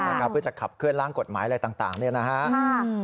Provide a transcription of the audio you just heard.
นะครับเพื่อจะขับเคลื่อนล่างกฎหมายอะไรต่างต่างด้วยนะฮะครับ